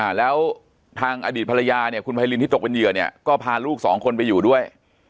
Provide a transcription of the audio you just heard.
หลายคุณไพรินที่ตกเป็นเหยื่อเนี่ยก็พาลูก๒คนไปอยู่ด้วย